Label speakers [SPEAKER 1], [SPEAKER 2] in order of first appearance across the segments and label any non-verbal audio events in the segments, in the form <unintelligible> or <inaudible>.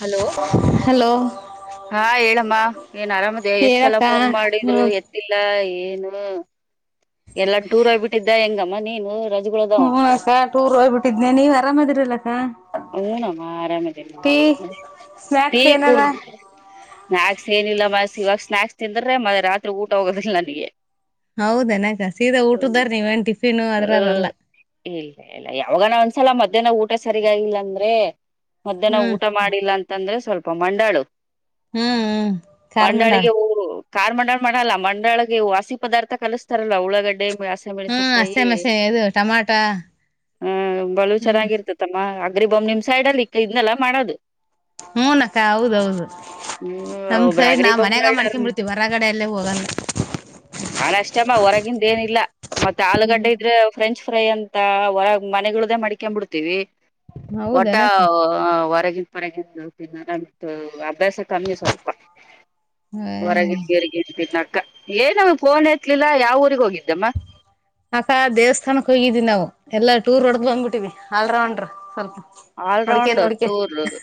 [SPEAKER 1] Hello
[SPEAKER 2] hello <inaudible>
[SPEAKER 1] ಹಾ ಹೇಳಮ್ಮ ಏನ್ ಆರಾಮದ ಎಷ್ಟ್ ಸಲ
[SPEAKER 2] ಹೇಳಕ್ಕ
[SPEAKER 1] ಫೋನ್
[SPEAKER 2] ಹ್ಮ್
[SPEAKER 1] ಮಾಡಿದ್ರು ಎತ್ತಿಲ್ಲ ಏನು ಎಲ್ಲ ಟೂರ್ ಆಗ್ಬಿಟ್ಟಿದ್ದ ಹೆಂಗಮ್ಮ ನೀನು ರಜಗಳದಾವ
[SPEAKER 2] ಹ್ಮ
[SPEAKER 1] ಅಂತ
[SPEAKER 2] ಅಕ್ಕ ಟೂರ್ ಹೋಗ್ಬಿಟ್ಟಿದನಿ ನೀವ್ ಆರಾಮದಿರಲ್ಲಕ್ಕ
[SPEAKER 1] ಹನ ಆರಾಮೇದಲ್ಲ ಟಿ
[SPEAKER 2] ಸ್ನಾಕ್ಸ್ ಏನಲ್ಲ
[SPEAKER 1] ಕುಡಿದ ಸ್ನಾಯಕ್ಸ್ ಏನಿಲ್ಲ ಮನಸ ಇವಾಗ ಸ್ನಾಯಕ್ಸ್ ತಿಂದ್ರೆ ಮತ್ತೆ ರಾತ್ರಿ ಊಟ ಹೋಗೋದಿಲ್ಲ ನನಗೆ
[SPEAKER 2] ಹೌದನಕ ಸೀದಾ ಊಟದಾರ ನೀವೇನ್ ಟಿಫಿನ್
[SPEAKER 1] ಹ
[SPEAKER 2] ಅದ್ರಾರಲ್ಲ
[SPEAKER 1] ಸಲ ಮಧ್ಯಾಹ್ನ ಊಟ ಸರಿಗಾಗಿಲ್ಲ ಅಂದ್ರೆ ಮಧ್ಯಾಹ್ನ
[SPEAKER 2] ಹ್ಮ್
[SPEAKER 1] ಊಟ ಮಾಡಿಲ್ಲ ಅಂತಂದ್ರೆ ಸ್ವಲ್ಪ ಅ ಮಂಡಾಳು
[SPEAKER 2] ಹ್ಮ್ ಹ್ಮ್ ಖಾರ್ ಮಂಡಾಳ
[SPEAKER 1] ಮಂಡಾಳಿಗೆ ಊರು ಕಾರ್ ಮಂಡಾಳ ಮಾಡಲ್ಲ ಮಂಡಾಳಗೆ ವಾಸಿ ಪದಾರ್ಥ ಕಲಸ್ತಾರಲ್ಲ ಉಳ್ಳಳಾಗಡ್ಡೆ ಹಸಿಮೆಣಸಿನ
[SPEAKER 2] ಹ್ಮ್ ಹಸೆ
[SPEAKER 1] ಕಾಯಿ
[SPEAKER 2] ಮೆಸೆ ಇದು ಟಮಾಟ
[SPEAKER 1] ಆ ಬಳ
[SPEAKER 2] ಹ್ಮ್
[SPEAKER 1] ಚೆನ್ನಾಗಿರ್ತತಮ್ಮ ಅ್ರ ಬೊ ನಿಮ್ ಸೈಡ್ ಅಲ್ಲಿ ಇನ್ನಲ್ಲ ಮಾಡೋದು
[SPEAKER 2] ಹೂನ ಅತ್ತೆ ಹೌದೌದು
[SPEAKER 1] ಹ್ಮ್
[SPEAKER 2] ನಮ್
[SPEAKER 1] ಒಬ್ಬ್ರ
[SPEAKER 2] ಸೈಡ್
[SPEAKER 1] ಅಗ್ರಿ
[SPEAKER 2] ನಾ
[SPEAKER 1] ಬಾಂಬ್
[SPEAKER 2] ಮನ್ಯಾಗ ಮಾಡ್ಕೊಂಡ್
[SPEAKER 1] ನಾನ್
[SPEAKER 2] ಬಿಡ್ತೀವಿ ಹೊರಗಡೆಯಲ್ಲೇ ಹೋಗಂತ
[SPEAKER 1] ಅದಷ್ಟೇ ಅಮ್ಮ ಹೊರಗಿಂದ ಏನಿಲ್ಲ ಮತ್ತೆ ಆಲೂಗಡ್ಡೆ ಇದ್ರೆ ಫ್ರೆಂಚ್ ಫ್ರೈ ಅಂತ ಹೊರ ಮನೆಗಳ್ದೇ ಮಡಕೊ್ ಬಿಡ್ತೀವಿ ಒಟ್ಟ
[SPEAKER 2] ಹೌದನಕ್ಕ
[SPEAKER 1] ಹೊರಗಿ ಹೊರಗ ತಿನ್ನ ಅಭ್ಯಾಸ ಕಮ್ಮಿ ಸ್ವಲ್ಪ <inaudible>
[SPEAKER 2] ಹ್ಮ್
[SPEAKER 1] ಹೊರಗಗ ಏ ನವುಫೋನೆ <inaudible> ಲೀಲಾ ಯಾವ ಊರಿಗೆ ಹೋಗಿದೆಮ್ಮ.
[SPEAKER 2] ಅಕ ದೇವಸ್ಥಾನಕ್ ಹೋಗಿದೀವಿ ನಾವು ಎಲ್ಲಾ ಟೂರ್ ಒಡೆದ ಬಂದ್ಬಿಟ್ಟಿವವಿ ಆಲ್ರೌಂಡ್ರ ಸ್ವಲ್ಪ ನೋಡ್ಕೇನ್
[SPEAKER 1] ಆಲ್ರೌಂಡರ್
[SPEAKER 2] ನೋಡ್ಕೇನ್
[SPEAKER 1] ಟೂರ್ಊರ್ನ್ನ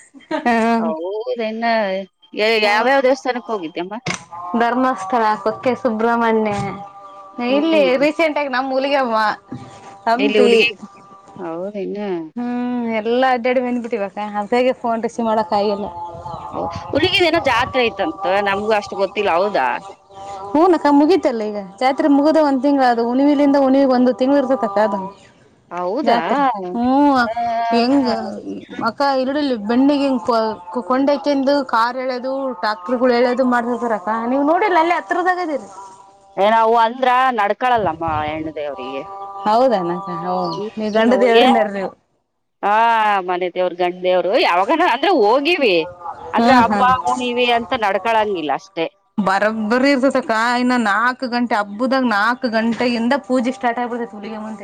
[SPEAKER 1] ಹೌದೇನೋ ಹೇಳು
[SPEAKER 2] ಹ
[SPEAKER 1] ಯಾವ ಯಾವ ದೇವಸ್ಥಾನಕ್ ಹೋಗಿದ್ದೆ
[SPEAKER 2] ಧರ್ಮಸ್ಥಳ ಕೊಕ್ಕೆ ಸುಬ್ರಹ್ಮಣ್ಯ ಇಲ್ಲಿ
[SPEAKER 1] ಹ್ಮ್
[SPEAKER 2] ರೀಸೆಂಟ್ ಆಗ ನಮ ಮುನಿಗವ
[SPEAKER 1] ಎಲ್ಲಿ ಹುಲಿ ಹದನು
[SPEAKER 2] ಎಲ್ಲ ಅಡ್ಡ ಅಡಿ ಮಂದ್ಬಿಟ್ಟಿವವ ಅದ ಹೇ ಫೋನ್ ರಿಸೀವ್ ಮಾಡೋಕ್ ಆಗಲ್ಲ
[SPEAKER 1] ಹ ಉಲ್ಲಿಗಿದದಏನೋ ಜಾತ್ರೆ ಐತಂತ ನಮ್ಗೂ ಅಷ್ಟು ಗೊತ್ತಿಲ್ಲ ಹೌದಾ
[SPEAKER 2] ಹೂಕ್ಕ ಮುಗಿತಲ್ಲ ಈಗ ಜಾತ್ರೆ ಮುಗುದ ಒಂದ ತಿಂಗಳು ಉಣಿವಿಲಿಂದ ಉಣಿವಿ ಒಂದು ತಿಂಗಳು ಇರಬೇಕು ಅದನ್ನ
[SPEAKER 1] ಹೌದಾ
[SPEAKER 2] ಜಾತ್ರಿ ಹ್ಮ ಹೆಂಗ
[SPEAKER 1] ಹ
[SPEAKER 2] ಅಕ್ಕ ಇರಡಲ್ಲಿ ಬೆಣ್ಣಿಗೆ ಕೊಂಡಕೆಂದು ಕ <unintelligible> ಹೇಳೋದು ಡಾಕ್ಟರ್ ಗಳು ಹೇಳೋದು ಮಾಡ್ತಿರ್ತರಕ್ಕಾ ನೀವು ನೋಡಿಲ್ಲ ಅಲ್ಲಿ ಹತ್ರದಾಗದಿರಿ <unintelligible> <inaudible>
[SPEAKER 1] ಏ ನವು ಅಂದ್ರ <unintelligible> ನಡ್ಕಳಲ್ಲಮ್ಮ ಹೆಣ್ಣು ದೇವ್ರಿಗೆ
[SPEAKER 2] ಹೌದನಾ
[SPEAKER 1] ಹ್ಮ್ ಹೋ್ಯ <unintelligible> ಹಾ ಮನೆ ದೇವ್ರ ಗಂಡೇವರು ಯಾವಾಗನ ಅಂದ್ರೆ ಹೋಗಿವಿ
[SPEAKER 2] ಹಾ
[SPEAKER 1] ಅಂದ್ರೆ
[SPEAKER 2] ಹಾ
[SPEAKER 1] ಹಬ್ಬಾ ಹಣಿವ ಅಂತ ನಡ್ಕಳಂಗಿಲ್ಲ ಅಷ್ಟೇ
[SPEAKER 2] ಬರಬ್ಬರಿ ಇರ್ಸಸಕ ಇನ್ನು ನಾಲ್ಕು ಗಂಟೆ ಹಬ್ಬದಾಗ ನಾಕಕ್ ಗಂಟೆೆಯಿಂದ ಪೂಜೆ ಸ್ಟಾರ್ಟ್ ಆಗ್ಬಿಡತ್ತೆ ತುಲಿಗಮ್ಮ ಅಂತ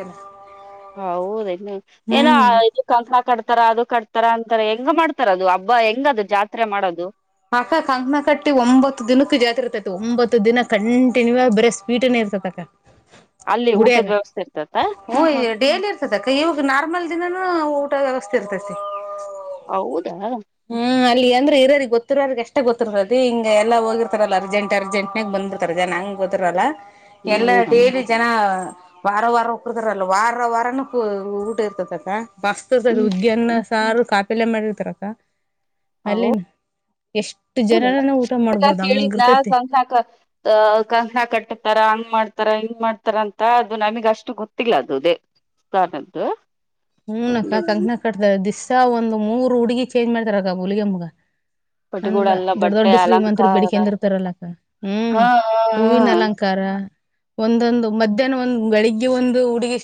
[SPEAKER 1] ಹೌದನ್ನು ಏನ ಇದ ಕಂಂತರ ಕಡ್ತಾರ ಅದು ಕಟ್ತಾರ ಅಂತಾರ ಹೆಂಗ ಮಾಡ್ತಾರ ಅದು ಹಬ್ಬ ಹೆಂಗದು ಜಾತ್ರೆ ಮಾಡೋದು.
[SPEAKER 2] ಅಕ್ಕ ಕಂಕನ ಕಟ್ಟಿ ಒಂಬತ್ತು ದಿನಕ್ಕ ಜಾತ್ ಇರ್ತೈತಿ ಒಂಬತ್ತ್ತು ದಿನ ಕಂಟಿನ್ಯೂ ಬರೀ ಸ್ವೀಟನ ಪಕ್ಕ <inaudible>
[SPEAKER 1] ಅಲ್ಲಿ ಊಟದ ವ್ಯವಸ್ಥೆ ಇರ್ತದೆ
[SPEAKER 2] ಹು ಡೇಲಿ ಇರ್ತದ ಅಕ್ಕ ಇವಾಗ ನಾರ್ಮಲ್ ದಿನಾನೂ ಊಟ ವ್ಯವಸ್ಥೆ ಇರ್ತತಿ
[SPEAKER 1] ಹೌದಾ
[SPEAKER 2] ಅಂದ್ರೆ ಇರೋರಿಗೆ ಗೊ ಗತ್ತವರ್ಗೆ ಎಷ್ಟ ಗೊತ್ತಿರದ ಹಿಂಗ ಎಲ್ಲ ಹೋಗಿರ್ತಾರಲ್ಲ ಅರ್ೆಂಟ್ ಅರ್ಜೆಂಟಬಂದ್ ಬಿರ್ತಾರ ಜನ ಬಂದು ಬಿಡುತ್ತಾರೆ ಎಲ್ಲಾ ಡೇಲಿ ಜನ ವಾರ ವಾರ ಒಪ್ಪರ್ತಾರಲ್ಲ <unintelligible> ವಾರ ವಾರಾನ ಊಟ ಇರ್ತದ ಅಕ್ಕ ಬಸ್ತದದ
[SPEAKER 1] ಹ್ಮ್
[SPEAKER 2] ಉುಗ್ಗಿಯನ್ನ ಸಾರು ಕಾಪಿಲೆ ಮಾಡಿರ್ತರಕ್ಕ ಅಕ್ಕ-
[SPEAKER 1] ಹ ಕೇಳಿದ್
[SPEAKER 2] ಹಂಗಿರ್ತೈತಿ
[SPEAKER 1] ಕಂಸ ಕಂಸ ಕಟ್ಟತಾರ <unintelligible> <inaudible> ಹಂಗ್ ಮಾಡ್ತಾರ ಹಿಂಗ್ ಮಾಡ್ತಾರ ಅಂತ ಅದು ನಮಗ್ ಅಷ್ಟು ಗೊತ್ತಿಲ್ಲ ಅದುದೇಾನದ್ದು <unintelligible>
[SPEAKER 2] ಹೂನ ಅಕ್ಕ ಕಂಕನ ಕಟ್ತಾರ ದಿಸ್ಸಾ ಒಂದ್ ಮೂರ್ ಹುಡುಗಿ ಚೇಂಜ್ ಮಾಡ್ತಾರ ಅಕ್ಕ ಹುಲಗಮ್ಮಗ ಅಂದ್ರ
[SPEAKER 1] ಪಟಗಳೆಲ್ಲ
[SPEAKER 2] ದೊಡ್ಡ
[SPEAKER 1] ಬಟ್ಟೆ
[SPEAKER 2] ದೊಡ್ಡ ಶ್ರೀಮಂತರು
[SPEAKER 1] ಅಲಂಕಾರ
[SPEAKER 2] ಬೆಡಿಕಂದರ್ತರಲಕ್ಕ ಹ್ಮ್
[SPEAKER 1] ಹಾ
[SPEAKER 2] ಹೂವಿನ ಅಲಂಕಾರ ಒಂದೊಂದು ಮಧ್ಯಾಹ್ನ ಒಂದ್ ಬೆಳಿಗ್ಗೆ ಒಂದು ಹುಡುಗಿ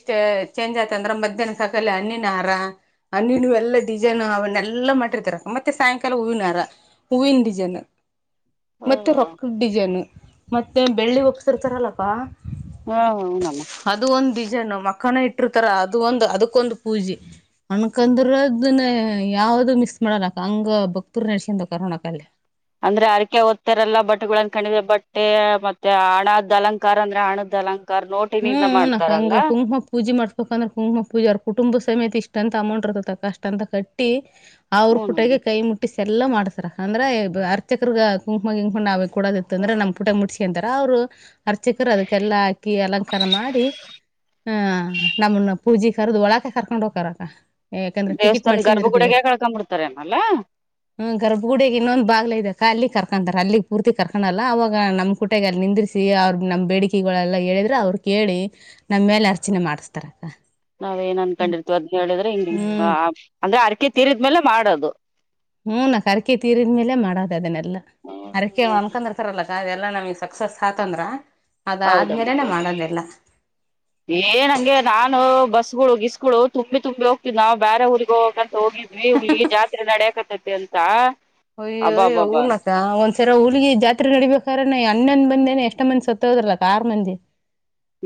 [SPEAKER 2] ಚೇಂಜ್ ಆಯತ ಅಂದ್ರೆ ಮಧ್ಯಾಹ್ನ ಕ ಅಣ್ಣಿನ ಹರ ಅಣಿನ ಎಲ್ಲಾ ಡಿಿಸನ್ ಅವನ್ನೆಲ್ಲ ಎಲ್ಲ ಮಾಡಿರ್ತರ ಮತ್ತೆ ಸಾಯಂಕಾಲ ಹೂವಿನಾರ ಹೂವಿನ ಡಿಜನು
[SPEAKER 1] ಹಾ
[SPEAKER 2] ಮತ್ತೆ ರೊಕ್ಕ ಡಿಸೈನ್ ಮತ್ತೆ ಬೆಳ್ಳಿ ಒಪ್ಪಸರ್ತಾರಲ್ಲಪ್ಪ
[SPEAKER 1] ಹಾ ಹೌನಮ
[SPEAKER 2] ಮಕ್ಕನ ಇಟ್ಟಿರ್ತಾರ ಅದು ಒಂದು ಅದ ಅದಕ್ಕೊಂದು ಪೂಜೆ ಅಣಕಂದ್ರದನ್ನ ಯಾವ್ದ ಮಿಸ್ ಮಾಡಲ್ಲ ಹಂಗ ಭಕ್ತರು ನಸ ಕೋಣ ಕಲ್ಲೆ <unintelligible>
[SPEAKER 1] ಅಂದ್ರೆ ಅರಕೆ ಓದ್ತ್ತರೆಲ್ಲಾ ಬಟ್ಟೆಗಳನ್ನ ಕಣಿವೆ ಬಟ್ಟೆ ಮತ್ತೆ ಹಣದ್ ಅಲಂಕಾರ ಅಂದ್ರೆ ಹಣದ ಅಲಂಕಾರ ನೋಟಿನಿಂದ
[SPEAKER 2] ಹ್ಮ್ ನಕ
[SPEAKER 1] ಮಾಡ್ತಾರಲ್ಲ
[SPEAKER 2] ಹಂಗ ಹುಂಗ ಪೂಜೆ ಮಾಡ್ ಯಾಕಂದ್ರೆ ಕುಂಮ ಪೂಜಾರ ಕುಟುಂಬ ಸಮೇತ ಇಷ್ಟಂತ ಅಮೌಂಟ್ ಇರ್ತ ಅಕ್ಕ ಅಷ್ಟಂತ ಕಟ್ಟಿ ಅವ್ರ
[SPEAKER 1] ಹ್ಮ
[SPEAKER 2] ಕುಟಗೆ ಕೈ ಮುಟ್ಟಿಸಿ ಎಲ್ಲ ಮಾಡ್ತಾರ ಅಂದ್ರೆ ಅರ್ಚಕರ್ಗ ಕುಂಕಮ ಇಂಕೊಂಡ್ ನ ಅವಿ ಕೊಡೋದಿತ್ತ ಅಂದ್ರೆ ನಮ್ ಪುಟಗ್ ಮುಟ್ಸ್ಕೊಂತಾರ ಅವ್ರು ಅರ್ಚಕರು ಅದಕ್ಕೆ ಎಲ್ಲ ಹಾಕಿ ಎಲ್ಲ ಮಾಡಿ ಆಹ ನಮ್ಮನ್ನ ಪೂಜೆ ಕರ್ದು ಒಳಕ ಕರ್ಕೊಂಡ್ ಹೋಗಕರಕ್ಕ ಯಾಕಂದ್ರೆ ಟಿಕೆಟ್
[SPEAKER 1] ದೇವಸ್ಥಾನ
[SPEAKER 2] ಮಾಡ್ಸಿಂದರದ
[SPEAKER 1] ಗರ್ಭಗುಡಗೆ
[SPEAKER 2] ಇವತ್ತು
[SPEAKER 1] ಕಳ್ಕೊಂಡ್ಬಿಡ್ತಾರೆನಲ್ಲ
[SPEAKER 2] ಹ ಗರ್ಭಗುಡಗೆ ಇನ್ನೊಂದು್ ಬಾಗ್ಲ ಇದದೆ ಕ ಅಲ್ಲಿ ಕರ್ಕೊತಾರೆ ಅಲ್ಲಿಗೆ ಪೂರ್ತಿ ಕರ್ಕೊಂಡಲ್ಲ ಅವವಾಗ ನಮ್ಮ ಕುಟೆಗೆ ಅಲ್ಲಿ ನಿಂದಿಿಸಿಿ ಅವ್ರ ನಮ್ಮ ಬೇಡಿಕೆಗಳೆಲ್ಲ ಹೇಳಿದರೆ ಅವ್ರಿಗೆ ಕೇಳಿ ನಮ್ಮ ಮೇಲೆ ಅರ್ಚನೆ ಮಾಡಸ್ತಾರಕ್ಕ
[SPEAKER 1] ನಾವ್ ಏನ್ ಅನ್ಕೊಂಡಿರ್ತೀವಿ ಅದ್ ಹೇಳಿದ್ರೆ ಹಿಂಗ ಹ
[SPEAKER 2] ಹ್ಮ್
[SPEAKER 1] ಅಂದ್ರೆ ಅರಕೆ ತೀರಿದ್ಮೇಲೆ ಮಾಡೋದು
[SPEAKER 2] ಹ್ಮ್ ನಾಕ ಅರಕೆ ತೀರಿದ್ಮೇಲೆ ಮಾಡೋದು ಅದನ್ನಲ್ಲ
[SPEAKER 1] ಹ್ಮ
[SPEAKER 2] ಅರಕೆ ಅನ್ಕೊಂಡಿರ್ತರಲ್ಲ ಅದೆಲ್ಲ ನಮಗೆ ಸಕ್ಸಸ್ ಹಾತಂದ್ರ
[SPEAKER 1] ಹೌದ ಏನಂಗೆ ನಾನು ಬಸ್ ಗಿಸ್ಗಳು <unintelligible> ತುಂಬ ತುಂಬಿ ಹೋಗ್ತ್ ನಾವು ಬರೆ ಊರಿಗೆೋಗ ಅಂತ ಹೋಗ್ವಿಲ್ಲಿಗ ಜಾತ್ರೆ ನಡೆಯಕ ಸದ ಅಂತ <unintelligible>
[SPEAKER 2] ಅಯ್ಯಯ್ಯ
[SPEAKER 1] ಅಬ್ಬಬ್ಬಬ್ಬ
[SPEAKER 2] ಊರ್ನಕ ಒಂದ್ಸರ ಹಊಲ್ಿಗೆ ಜಾತ್ರೆ ನಡಬೇಕ್ರ <unintelligible> ಅಣ್ಣಂದ ಬಂದೇನೆ ಎಷ್ಟ್ ಮಂದಿ ಸತ್ತ ಹೋದ್ರಲ ಕಾರ್ ಮಂದಿ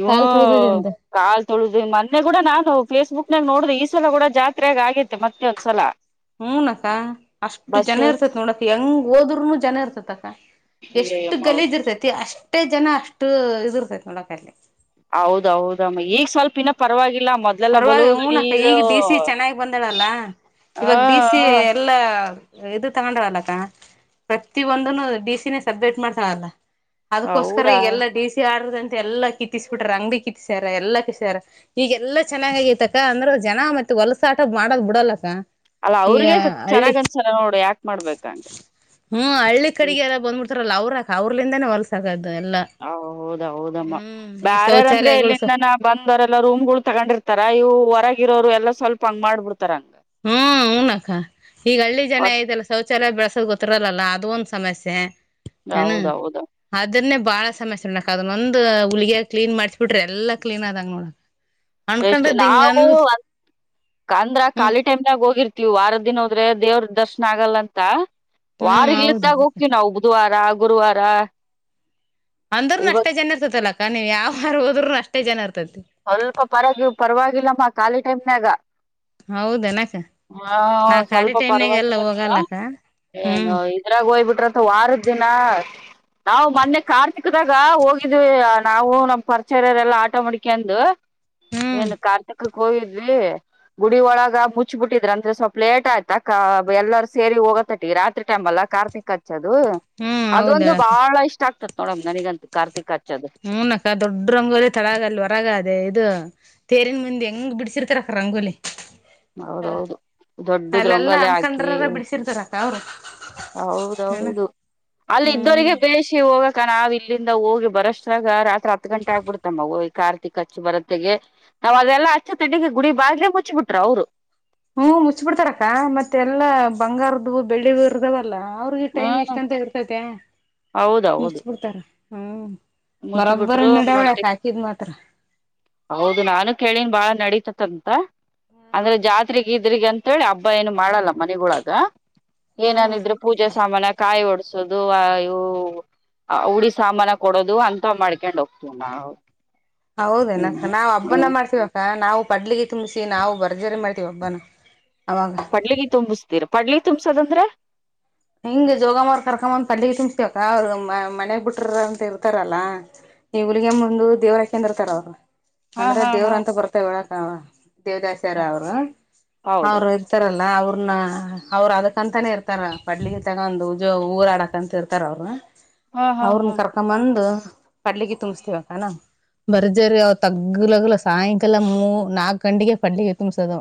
[SPEAKER 1] ಹ
[SPEAKER 2] ಕಾಲ್ ತುಳ್ದದೆ ಅಂತ
[SPEAKER 1] ಕಾಲ್ ತೊಳದು ಮೊನ್ನೆ ಕೂಡ ನಾ ಫೇಸ್ಬುಕ್ ನಾಗ್ ನೋಡ್ರಿ ಈ ಸಲ ಕೂಡ ಜಾತ್ರೆೆಯಗ ಆಗತ್ತೆ ಮತ್ತೆೊಂದ್ಸಲ
[SPEAKER 2] ಹ್ಮ ನ ಅಕ್ಕ ಅಷ್ಟು ಜನ ಇರ್ತೇತಿ ನೋಡಕ ಹೆಂಗ್ ಹೋದ್ರನು ಜನ ಇರ್ತತಿ ಅಕ್ಕ ಎಷ್ಟು ಗಲೀಜ್ ಇರ್ತೈತಿ ಅಷ್ಟೇ ಜನ ಅಷ್ಟು ಇದಿರ್ತೈತಿ ನೋಡಕಲ್ಲಿ
[SPEAKER 1] ಹೌದೌದಮ್ಮ ಈಗ ಸ್ವಲ್ಪ ಇನ್ನ ಪರವಾಗಿ
[SPEAKER 2] ಪರವಾಗಿ ಹಊನಕ್ಕ ಈಗ ಡಿ ಸಿ ಚೆನ್ನಾಗಿ ಬಂದಡಲ್ಲ
[SPEAKER 1] ಹ
[SPEAKER 2] ಇವಾಗ ಸಿ ಎಲ್ಲಾ ಇದು ತಗೊಂಡವಲ್ಲಕ್ಕ ಪ್ರತಿಿಯ ಒಂದನು ಡಿಿಸಿನೇ ಸಬ್ಮಿಟ್ ಮಾಡ್ತಾರಲ್ಲ ಅದಕೋಸ್ಕರ
[SPEAKER 1] ಹೌದಾ
[SPEAKER 2] ಎಲ್ಲಾ ಡಿ ಸಿ ಆಡುದ ಎಲ್ಲ ಕಿತ್ತಿಸ್ ಬಿಟ್ರ ಅಂಗ್ಡಿ ಕಿತ್ತಿಸ್ಯಾರ ಎಲ್ಲ ಕಿಸಾರ ಈಗ ಎಲ್ಲ ಚೆನ್ನಾಗಗೈತಕ್ಕ ಅಂದ್ರೆ ಜನ ಮತ್ತತ್ ಹೊಲಸ ಆಟ ಮಾಡದ ಬಿಡಲ್ಲಕ್ಕ
[SPEAKER 1] ಅಲ್ಲ
[SPEAKER 2] ಈ
[SPEAKER 1] ಅವ್ರಿಗೆ
[SPEAKER 2] ಹಳ್ಳಿ
[SPEAKER 1] ಚೆನ್ನಾಗ್ ಅನ್ಸಲ್ಲ ನೋಡು ಯಾಕ್ ಮಾಡ್ಬೇಕಂಗ
[SPEAKER 2] ಹ್ಮ ಹಳ್ಳಿ ಕಡೆಗೆ ಎಲ್ಲ ಬಂದ್ಬಿಡ್ತ ಲ್ಲ ಅವ್ರ ಅವ್ರಲಿಂದೇ ಹೊಲ್ಸ ಆಕದು
[SPEAKER 1] ಹ ಹೌದ ಹೌದಮ್ಮ
[SPEAKER 2] ಈ
[SPEAKER 1] ಬ್ಯಾರ್ಯಾರ ಅಂದ್ರೆ
[SPEAKER 2] ಶೌಚಾಲಯಗಳು ಸ
[SPEAKER 1] ಇಲ್ಲಿಂದ ನ ಬಂದವರೆಲ್ಲ ರೂಮ್ ಗಳು ತಗೊಂಡಿರ್ತ ತರ ಇವು ಹೊರಗರೋರು ಎಲ್ಲ ಸ್ವಲ್ಪ ಹಂಗ್ ಮಾಡ್ಬಿಡ್ತಾರೆ
[SPEAKER 2] ಹ್ಮ ಹಊನಕ್ಕ ಈಗ ಹಳ್ಳಿ ಜನ ಯದೆಲ್ಲ ಶೌಚಾಲಯ ಬೆಳಸೋದ್ ಗೊತ್ತ ರಲ್ಲಲ್ಲ ಅದು ಒಂದ ಸಮಸ್ಯೆ ಏನು
[SPEAKER 1] ಹೌದೌದು
[SPEAKER 2] ಅದನ್ನೇ ಬಾಳ ಸಮಸ್ಯೆೋಡಕ್ ಅದನ್ನಂದ ಹುಲಗ ಕ್ಲನ್ ಮಾಡಸಸ್ ಬಿಟ್ರಿ ಎಲ್ಲ ಕ್ಲೀನ್ ಆದಂಗ ನೋಡಕ್
[SPEAKER 1] ಎಷ್ಟ
[SPEAKER 2] ಅನ್ಕೊಂಡದ್ ಹಿಂಗ ಅನ್
[SPEAKER 1] ನಾವು ಕಾಂದ್ರ
[SPEAKER 2] ಹ್ಮ್
[SPEAKER 1] ಕಾಲಿಟೈಮ್ನಾಗ ಹೋಗಿರ್ತವಿ ವಾರದ ದಿನ ಹೋದ್ರೆ ದೇವ್ರ ದರ್ಶನ ಆಗಲ್ಲ ಅಂತ ವಾರ
[SPEAKER 2] ಹ್ಮ್ ಹೌದು
[SPEAKER 1] ಇಲತ್ತಾಗ ಹೋಗ್ತೀವಿ ನಾವು ಬುಧವಾರ ಗುರುವಾರ
[SPEAKER 2] ಅಂದ್ರೂನು ಅಷ್ಟೇ
[SPEAKER 1] ಇವತ್
[SPEAKER 2] ಜನ ಇರ್ತತಿ ಅಲಕ್ಕಾ ನೀವು ಯಾವ ಹಾರ ಹೋದರುನು ಅಷ್ಟೇ ಜನ ಇರ್ತ
[SPEAKER 1] ಸ್ವಲ್ಪ ಪರವಾಗಿ ಪರವಾಗಿಲ್ಲಮ್ಮ ಖಾಲಿ ಟೈಮ್ನಾಗ
[SPEAKER 2] ಹೌದ ನ
[SPEAKER 1] ಹಾ ಸ್ವಲ್ಪ
[SPEAKER 2] ಎಲ್ಲ
[SPEAKER 1] ಪರವಾಗಿರೋದಿಲ್ಲ
[SPEAKER 2] ಹೋಗಲ್ಲಕ್ಕ ಹ್ಮ್
[SPEAKER 1] ಏನು ಇದ್ರಾಗ ಹಯ್ಬಿಟ್ರಂತ ವಾರದ ದಿನ ನಾವು ಮೊನ್ನೆ ಕಾತಿಕದಾಗ ಹೋಗಿದ್ವಿ ನಾವು ನಮ್ ಪರ್ಚರ್ಯರೆಲ್ಲಾ ಆಟೋ ಮಾಡವಿ ಕೆಂದು
[SPEAKER 2] ಹ್ಮ್
[SPEAKER 1] ಏನು ಕಾರ್ತಿಕಕ್ಕೆ ಹೋಗಿದ್ವಿ ಗುಡಿ ಒಳಗ ಮುಚ್ಬಿಟ್ಟಿದ್ರ ಅಂದ್ರೆ ಸ್ವಲ್ಪ ಲೇಟ್ ಆಯ್ತಾ ಎಲ್ಲಾರೂ ಸೇರಿ ಹೋಗತಟ್ಟಿ ರಾತ್ರಿ ಟೈಮ್ಲ್ಲ ಕಾರ್ತಿಕ ಹಚ್ಚ ಅದು
[SPEAKER 2] ಹ್ಮ್ ಹೌದ
[SPEAKER 1] ಅದೊಂದು
[SPEAKER 2] ಹೇಳಕ್ಕ
[SPEAKER 1] ಬಹಳ ಇಷ್ಟ ಆಗ್ತತ್ ನೋಡಮ್ ನನಗಂತ ಕಾರ್ತಕ್ ಹಚ್ಚ
[SPEAKER 2] ಹೂನ ಅಕ್ಕ ದೊಡ್ಡ್ರ ರಂಗೋದ ತಳಗಲ್ವ ಹೊರಗ ಅದೇ ಇದು ತೇರಿನ್ ಮುಂದೆ ಹೆಂಗ್ ಬಿಡ್ಸಿರ್ತಾರಕ ರಂಗೋಲಿ ಹ
[SPEAKER 1] ಹೌದೌದು ದೊಡ್ಡದ್
[SPEAKER 2] ಅಲ್ಲೆಲ್ಲಾ
[SPEAKER 1] ರಂಗೋಲಿ ಹಾಕಿ
[SPEAKER 2] ಅನ್ಕಂಡ್ರಾರ ಬಿಡಸರ್ತಾರೆ ಅಕ್ಕ ಅವರು
[SPEAKER 1] ಹೌದೌದು ಅಲ್ಲಿ ಇದ್ದವರಿಗೆ
[SPEAKER 2] ಹ್ಮ
[SPEAKER 1] ಬೇಸ ಹೋಗ ಅಕ್ಕ ನಾವ್ ಇಲ್ಲಿಂದ ಹೋಗಿ ಬರಸಾಗ ರಾತ್ರಿ ಹತ್ ಗಂಟೆ ಆಗ್ಬಿಡ್ತಮ್ಮ ಹೋಗಿ ಕಾರ್ತಿಕ್ ಹಚ್ಚಿ ಬರತ್ತಗೆ ನಾವ್ ಅದೆಲ್ಲ ಅಚ್ಚ ತಂಡಿಗೆ ಗುಡಿ ಬಾಗ್ಲೆೇ ಮುಚ್ಚಬಿಟ್ರು ಅವ್ರು
[SPEAKER 2] ಹ್ಮ ಮುಚ್ ಬಿಡ್ತಾರಕ್ಕ ಮತ್ತೆ ಎಲ್ಲಾ ಬಂಗಾರದ ಬೆಳಿರ್ದ <unintelligible> ಲ್ಲ ಅವ್ರಿಗೆ ಟೈಮ್ ಇಷ್ಟ್
[SPEAKER 1] ಹ್ಮ್
[SPEAKER 2] ಅಂತ ಇರ್ತತೆ ಮುಚ್
[SPEAKER 1] ಹೌದೌದು
[SPEAKER 2] ಬಿಡ್ತಾರ ಹ್ಮ. ಬರೊಬ್ಬರಿ
[SPEAKER 1] ಮುಚ್ಬಿಟ್ರು
[SPEAKER 2] ನಡಿಯವೆ
[SPEAKER 1] ಮತ್ತೆ
[SPEAKER 2] ಅಕಿವ್ ಮಾತ್ರ.
[SPEAKER 1] ಹೌದು ನಾನು ಕೇಳಿನ್ ಬಾಳ ನಡೀತತನ್. ಅಂದ್ರೆ ಜಾತ್ಗೆ ಇದ್ರಗ ಅಂತೇಳಿ ಹಬ್ಬ ಏನು ಮಾಡಲ್ಲ ಮನೆೊಾಗ
[SPEAKER 2] ಹ್ಮ್
[SPEAKER 1] ಏನನಿದ್ರು ಪೂಜೆ ಸಾಮಾನ ಕಾಯಿ ಓಡ್ಸೋದು ಅ ಇವು ಆ ಹುಡಿ ಸಾಮಾನ ಕೊಡೋದು ಅಂತ ಮಾಡ್ಕೊಂಡ್ ಹೋಗ್ತೀವಿ ನ
[SPEAKER 2] ಹೌದೇನಕ ನಾವವು ಹಬ್ಬನ ಮಾಡ್ತೀವಕ್ಕಾ ನಾವು ಪಡ್ಲಿಗೆ ತುಂಬಸಿ ನಾವು ಭರ್ಜಾರಿ ಮಾಡ್ತೀವ ಹಬ್ಬನ ಅವಾಗ
[SPEAKER 1] ಪಡ್ಲಗ ತುಂಬಸ್ತೀರ ಪಡ್ಲಿ ತುಂಬಸದಂದ್ರ
[SPEAKER 2] ಹಿಂಗ ಜೋಗ ಮಾರ್ ಕರ್ಕೊಂದ ಪಂಡಿಗೆ ತುಂಬ್ಸ್ತವಕ್ಕ ಅವ್ರ ಮನೆಗ್ ಬಿಟ್ರ ಅಂತ ಇರ್ತಾರಲ್ಲ ಹುಲ್ಲಿಗೆಮ್ಮಾ ಮುಂದ ದೇವರ ಕೇಂದ್ರ ತಡವ
[SPEAKER 1] ಹಾ
[SPEAKER 2] ಅಂದ್ರ
[SPEAKER 1] ಹಾ
[SPEAKER 2] ದೇವ್ರ
[SPEAKER 1] ಹಾ
[SPEAKER 2] ಅಂತ ಬರ್ತೇವ ಒಳಕ ದೇವದಾಸಾರ ಅವ್ರ
[SPEAKER 1] ಹೌದು
[SPEAKER 2] ಅವರು ಇರ್ತಾರಲ್ಲ ಅವ್ರು <unintelligible> ನ್ನ ಅವರು ಅದಕ್ಕಂತಾನೇ ಇರ್ತಾರ ಕೊಡ್ಲಿಗೆ ತಗೊಂದ್ ಉಜೋ ಊರ ಆಡಕ್ ಅಂತ ಇರ್ತಾರ ಅವರು.
[SPEAKER 1] ಹಾ ಹಾ
[SPEAKER 2] ಅವ್ರನ್ನ
[SPEAKER 1] ಹಾ
[SPEAKER 2] ಕರ್ಕೊಂಬಂದು ಕಡ್ಲಿಗೆ ತುಂಬಸ್ತಿವಕಾನ. ಬರ್ಜರಿ ಅವ ತಗ್ಲಗಲ ಸಾಯಂಕಾಲ ಮೂ ನಾಕ್ ಗಂಟೆಗೆ ಪಡ್ಲಿಗೆ ತುಂಬ್ಸದು.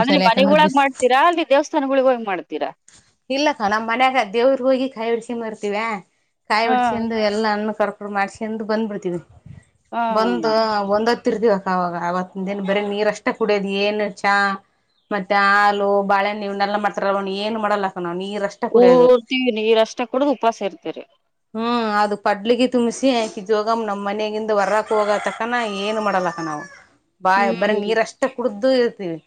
[SPEAKER 1] ಅಂದ್ರೆ ಮನೆಗೊಳಾಗ ಮಾಡ್ತೀರಾ ಅಲ್ಲಿ ದೇವಸ್ಥಾನಗಳಿಗೋಗ್ ಮಾಡ್ತೀರಾ.
[SPEAKER 2] ಇಲ್ಲಕ್ಕ ನಮ್ಮ್ ಮನ್ಯಾಗ ದೇವ್ರಗೋಗಿ ಹೋಗಿ ಕಾಯ್ ಹೊಡಿಸಿಕೊಂಡ ಬರ್ತೀವಾ
[SPEAKER 1] ಹಾ
[SPEAKER 2] ಕಾಯಿಡಸ್ಕೊಂಡು ಎಲ್ಲ ಹಣ್ಣು ಕರ್ಪೊ <unintelligible> ಮಾಡ್ಸ್ಕ ಬಂದ್ಬಿಡ್ತೀವಿ
[SPEAKER 1] ಹಾ
[SPEAKER 2] ಬಂದ
[SPEAKER 1] ನಮ್
[SPEAKER 2] ಒಂದ <unintelligible> ತ್ತರ್ತವಕ್ಕ ಅವಾಗ ಅವತ್ತಿನ್ ದಿನ ಬರೀ ನೀರಷ್ಟೆ ಕುಡ್ಯೋದು ಏನು ಚಾ. ಮತ್ತೆ ಹಾಲು ಬಾಳೆಹ್ಹಣ್ಣು ಇವುನೆಲ್ಲ ಮಾಡ್ತಿರಲ್ಲ ಅವ ಏನ್ ಮಾಡಲ್ಲಕ್ಕ ನವ ನೀ
[SPEAKER 1] ಪೊರ್ತೀ ನೀರಷ್ಟೆ ಕುಡ್ದು ಉಪವಾಸ ಇರ್ತರಿ.
[SPEAKER 2] ಹ್ಮ್ ಅದು ಪಡ್ಲಿಗೆ ತುಂಬಸಿ ಅಕಿ ಜೋಗಮ್ಮ ನಮ್ಮ ಮನೆಗಿಂದ ವರಕ್ ಹೋಗತಕನ ಏನ್ ಮಾಡಲಕ್ಕ ನ್ ಬಾ ಬರ
[SPEAKER 1] ಹ್ಮ್
[SPEAKER 2] ನೀರಷ್ಟೆ ಕುಡುದ್ <unintelligible> ಇರ್ತೀವಿ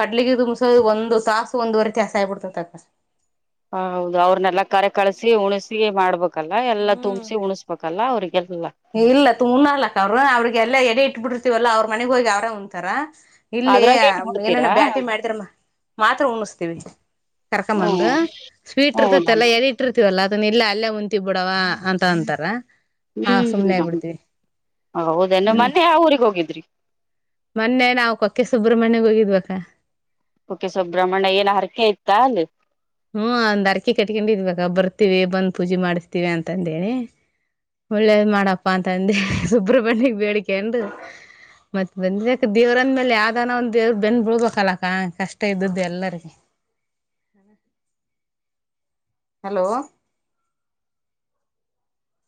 [SPEAKER 2] ಕಡ್ಲಿಗೆ ತುಂಬಸೋದು ಒಂದು ತಾಸು ಒಂದುವರೆ ತಾಸ ಆಗ್ಬಿಡ್ತ ತಕ್ಕ.
[SPEAKER 1] ಹ ಹೌದು ಅವ್ರನೆಲ್ಲಾ ಕರೆ ಕಳಸಿ ಉಣಸಿ ಮಾಡ್ಬೇಕಲ್ಲ ಎಲ್ಲಾ ತುಂಬ್ಸಿ
[SPEAKER 2] ಹ್ಮ್
[SPEAKER 1] ಉಣಸ್ಬೇಕಲ್ಲ ಅವ್ರಿಗ್.
[SPEAKER 2] ಇಲ್ಲ ತು ಉಣ್ಣಲಕ್ಕ ಅವ್ರರು ಅವ್ರಿಗೆಲ್ಲ ಎಡೆ ಇಟ್ಬ್ ಬಿಟ್ಟಿರುತ್ತೀವಲ್ಲ ಅವ್ರ ಮನೆಗ್ ಹೋಗಿ ಅವ್ರೇ ಉಂಣ್ತಾರ. ಇಲ್ಲಿ
[SPEAKER 1] ಅದ್ರಾಗ ಇಟ್
[SPEAKER 2] ಏನಾನ
[SPEAKER 1] ಬಿಡ್ತೀರಾ
[SPEAKER 2] ಬ್ಯಾಟಿ ಮಾಡಿದ್ರ ಮಾತ್ರ ಉಣ್ಣುಸ್ತೀವಿ. ಕರ್ಕೊಂಬಂದು
[SPEAKER 1] ಹ್ಮ್
[SPEAKER 2] ಸ್ವೀಟ್
[SPEAKER 1] ಹ್ಮ್
[SPEAKER 2] ಇರ್ತಿತಲ್ಲ ಎಲಿ ಇಟ್ಟಿರ್ತೀವಲ್ಲ. ಅದನ್ ಇಲ್ಲ ಅಲ್ಲೇ ಉಣ್ತೀವ್ ಬಿಡವಾ ಅಂತ ಅಂತಾರೆ.
[SPEAKER 1] ಹ್ಮ್ <unintelligible> ಹೌದೇನು ಮೊನ್ನೆ ಯಾವ್ ಊರಿಗ್ ಹೋಗಿದ್ರಿ.
[SPEAKER 2] ಮೊನ್ನೆ ನಾವು ಕೊಕ್ಕೆ ಸುಬ್ರ್ಮಣ್ಯಗ್ ಹೋಗಿದ್ವಕ್ಕ.
[SPEAKER 1] ಕುಕ್ಕೆ ಸುಬ್ರಹ್ಮಣ್ಯ ಏನ್ ಹರಕೆ ಇತ್ತ ಅಲ್ಲಿ.
[SPEAKER 2] ಹ್ಮ ಒಂದ್ ಅರ್ಕಿ ಕಟ್ಕೊಂಡಿದ್ವಕ್ಕ ಬರ್ತೀವಿ ಬಂದ್ ಪೂಜೆ ಮಾಡಸ್ತೀವಿ ಅಂತಂದೇಳಿ. ಒಳ್ಳೇದ್ ಮಾಡಪ್ಪಾ ಅಂತ ಅಂದಿ ಸುಬ್ರ್ಮಣ್ಯಗ್ ಬೇಡ್ಕಂಡು. ಮತ್ ಬಂದ್ವಿ ಅಕ್ಕ ದೇವ್ರಂದ್ ಮೇಲೆ ಯಾವ್ದಾನ ಒಂದ ದೇವ್ರ್ ಬೆನ್ ಬಿಳ್ಬೇಕಲ್ಲಕ್ಕ ಕಷ್ಟ ಇದ್ದದ್ದು ಎಲ್ಲರಿಗ. ಹಣ hello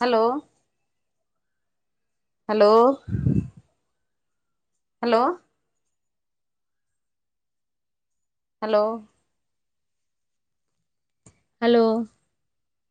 [SPEAKER 2] hello hello hello hello hello